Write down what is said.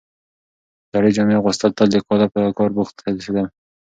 زړې جامې اغوستل تل د کاله په کار بوخت هوسېدل،